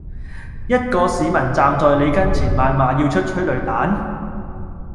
一個市民站在你跟前謾罵要出催淚彈？